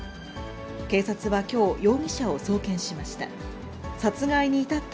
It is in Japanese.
警察はきょう、容疑者を送検しました。